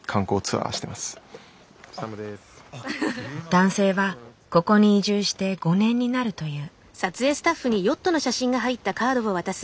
男性はここに移住して５年になるという。